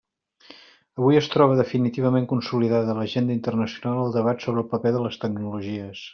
Avui es troba definitivament consolidada a l'agenda internacional el debat sobre el paper de les tecnologies.